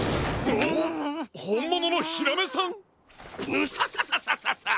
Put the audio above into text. ムササササササ！